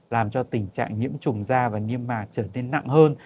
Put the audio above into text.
làm cho tình trạng nhiễm trùng da và niêm mạc trở nên nặng hơn